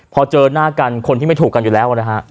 พอเจอหน้ากันคนที่ไม่ถูกกันอยู่แล้วนะฮะ